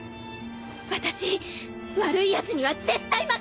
私悪いやつには絶対負けない！